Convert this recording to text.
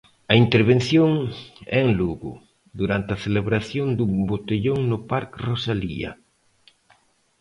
A intervención é en Lugo durante a celebración dun botellón no parque Rosalía.